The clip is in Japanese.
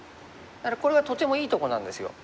だからこれはとてもいいとこなんですよ。